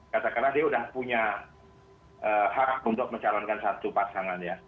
katakanlah dia sudah punya hak untuk mencalonkan satu pasangan ya